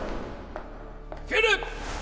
敬礼！